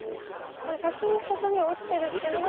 これ先にコスミを打ってるっていうのが大事なんですね。